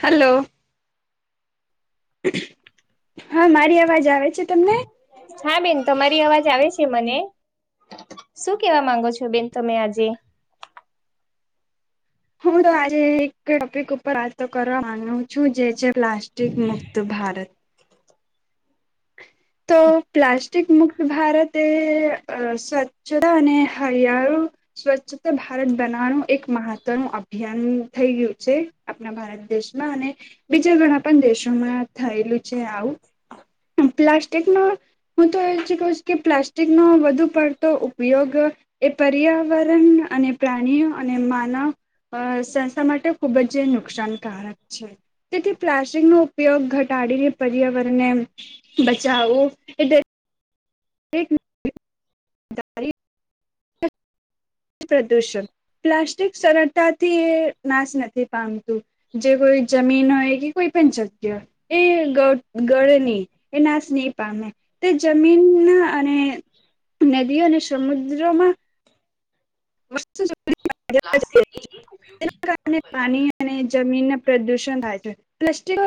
Hello હા મારી અવાજ આવે છે તમને હા બેન તમારી અવાજ આવે છે મને શું કેવા માંગો છો બેન તમે આજે હું તો આજે એક ટોપિક ઉપર વાતો કરવા મામાંગુ છું જે છે પ્લાસ્ટિક મુક્ત ભારત તો પ્લાસ્ટિક મુક્ત ભારત એ સ્વછ ચતા અને હા યારું સ્વચ્છતા ભારત બનાવવાનું એક મહત્વ ન અભિયાન થઈ ગયું છે આપણા ભાર ભારત દેશમાં અને બીજા ઘણા પણ દેશોમાં થયેલું છે આવું પ્લાસ્ટિકનો હું તો એ કું છ કે પ્લાસ્ટિકનો વધુ પડતો ઉપયોગ એ પર્યાવરણ અને પ્રાણીઓ અને માનવ અ સંસ્થા માટે ખુબ જ નુકસાનકારક છે તેથી પ્લાસ્ટિક નો ઉપયોગ ઘટાડીને પર્યાવરણને બચાઓ એધર એક મ પ્રદૂષણ પ્લાસ્ટિક સરળતાથી એ નાશ નથી પામતું જે કોઈ જમીન હોય કે કોઈ પંચાયતી હો એ ગ ગળની એ નાશ નહી પામે તે જમીન ના અને નદીઓ અને સમુદ્રોમાં [unintelligible] અને પાણી અને જમીનના પ્રદુષણ થાય છે. [unintelligible] અ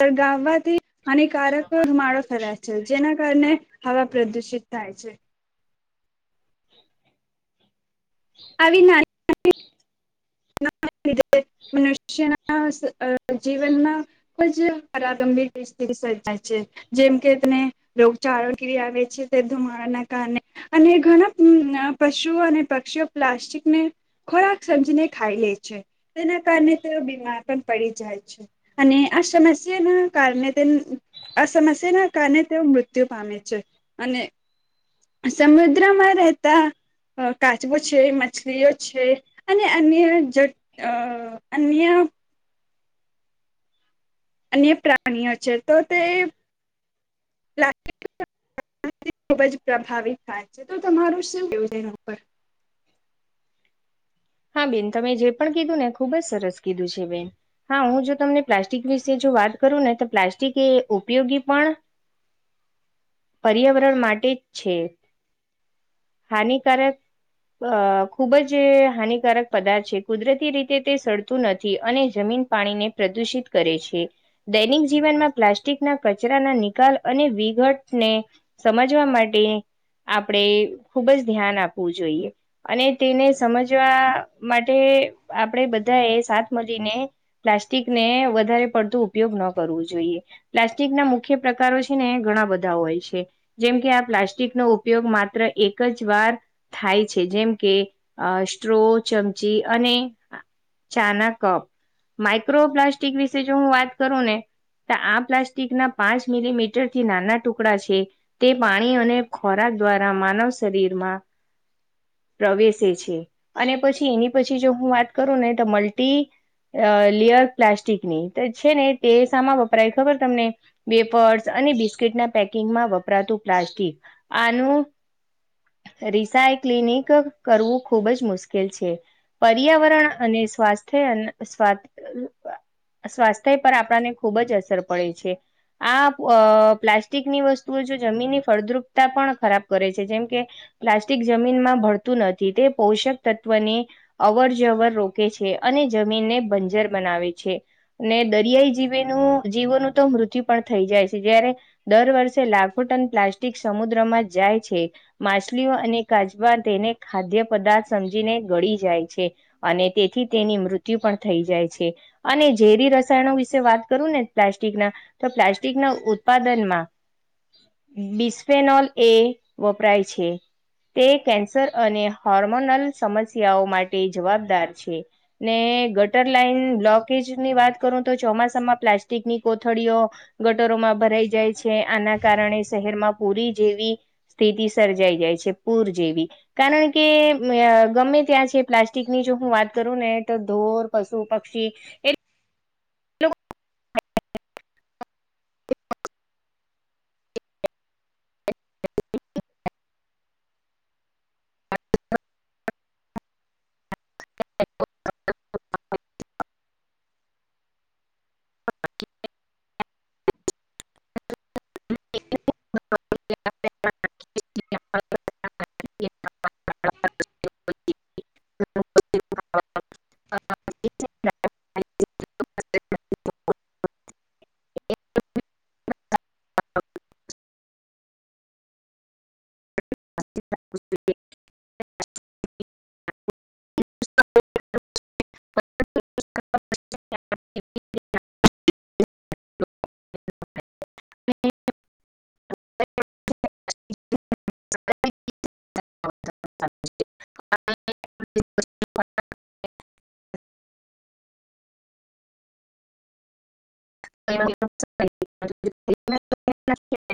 સળગાવવાથી હાનિકારક કોઈ માડો ફેલા છે જેના કારણે હવા પ્રદુષિત થાય છે. આવી ના. મનુષ્યના જીવનના કોજ પારગમભ્ય. સજાય છે જેમ કે તેને રગ ચારો કિરી આવે છે તે ધુમાડા ના કારણે. અને ઘણા પશુઓ અને પક્ષીઓ પ્લાસ્ટિકને. ખોરાક સમજીને ખાઈ લે છે તેના કારણે તેઓ બીમાર પણ પડી જાય છે. અને આ સમસ્યાના કારણે તે. આ સમસ્યાના કારણે તેઓ મૃત્યુ પામે છે અને. સમુદ્રમાં રહેતા અ કાચબો છે મછલીઓ છે અને અન્ય અન્ય અને પ્રાણીઓ છે તો તે ખુબ જ પ્રભાવિત થાય છે તો તમારું શું યોજના ઉપર હા બેન તમે જે પણ કીધું ને ખુબ જ સરસ કીધું છે બેન હા હું જો તમને પ્લાસ્ટિક વિશે જો વાત કરું ને તો પ્લાસ્ટિક એ ઉપયોગી પણ [inaudible] પર્યાવરણ માટે જ છે. હાનિકારક અ ખુબ જ હાની કારક પદાર્થ છે કુદરતી રીતે તે સડતું નથી અને જમીન પાણીને પ્રદૂષિત કરે છે. દૈનિક જીવનમાં પ્લાસ્ટિકના કચરાના નિકાલ અને વિઘટને. સમજવા માટે આપણે ખુબ જ ધ્યાન આપવું જોઈએ અને તેને સમજવા માટે આપડે બધા એ સાથ મળીને પ્લાસ્ટિક ને વધારે પડતું ઉપયોગ ન કરવું જોઈએ. પ્લાસ્ટિક ના મુખ્ય પ્રકારો છે ને ઘણા બધા હોય છે. જેમ કે આ પ્લાસ્ટિકનોો ઉપયોગ માત્ર એક જ વાર થાય છે જેમ કે અ સ્ટ્રો ચમચી અને ચાના કપ માઈક્રોપ્લાસ્ટિક વિશે જો હું વાત કરું ને તો આ પ્લાસ્ટિક ના પાંચ મિલીમીટરથી નાના ટુકડા છે. તે પાણી અને ખોરાક દ્વારા માનવ શરીરમાં પ્રવેશે છે. અને પછી એની પછી જો હું વાત કરું ને તો મલ્ટી અ લિયર પ્લાસ્ટિકની છે ને તે સામા વપરાય ખબર તમને પેપર અને બિસ્કીટના પેકિંગમાં વપરાતું પ્લાસ્ટિક આનું રિસાંય ક્લિનિક કરવું ખુબ જ મુશ્કેલ મુકેલ છે પર્યાવરણ અને સ્વાસ્થ્ય સ્ સ્વાસ્થ્ય પર આપણાને ખુબ જ અસર પડે છે. આ અ પ્લાસ્ટિકની વસ્તુઓ જો જમીનની ફળદ્રુપતા પણ ખરાબ કરે છે જેમ કે. પ્લાસ્ટિક જમીનમાં ભડતું નથી તે પોષક. તત્વને અવર જવર રોકે છે અને જમીનને બંજર બનાવે છે. ને દરિયાઈ જીવેનું જીવોનું તો મૃત્યુ પણ થઈ જાય છે જયારે દર વર્ષે લાખો ટન પ્લાસ્ટિક સમુદ્રમાં જાય છે. માછલીઓ અને કાજબા તેને ખાદ્ય પદાર્થ સમજીને ગળી જાય છે. અને તેથી તેની મૃત્યુ પણ થઈ જાય છે. અને ઝેરી રસાયણો વિશે વાત કરું ને પ્લાસ્ટિકના તો પ્લાસ્ટિક ના ઉત્પાદનમાં ડિસ્ફેનોલ એ વપરાય છે. તે કેન્સર અને હોર્મોનલ સમસ્યાઓ માટે જવાબદાર છે. ને ગટર લાઈન બ્લોકેજ ની વાત કરું તો ચોમાસામાં પ્લાસ્ટિકની કોથળીઓ ગટરોમાં ભરાઈ જાય છે આના કારણે શહેરમાં પૂરી જેવી સ્થિતિ સર્જાઈ જાય છે પૂર જેવી કારણ કે ગમે ત્યાં છે પ્લાસ્ટિક ની જો હું વાત કરું ને તો ઢોર પશુપક્ષી એ [unintelligible] [unintelligible] [unintelligible] [unintelligible] [unintelligible] હ [unintelligible] [unintelligible] એક પસ્ [unintelligible] [unintelligible] હા હ [unintelligible] [unintelligible] એ [unintelligible]